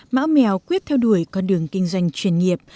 mã mèo quyết theo đuổi con đường kinh doanh chuyên nghiệp